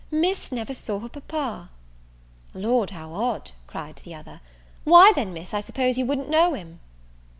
Miss never saw her papa!" "Lord, how odd!" cried the other; "why, then, Miss, I suppose you wouldn't know him?"